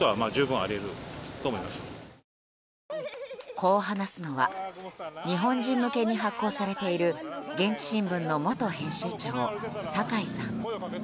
こう話すのは日本人向けに発行されている現地新聞の元編集長・酒井さん。